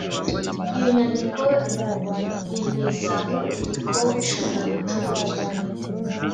iyo nyandiko nyemezabubiko ishobora gucuruzwa